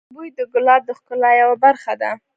بوی د ګلاب د ښکلا یوه برخه ده.